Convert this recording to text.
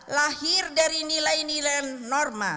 lahir dari nilai nilai norma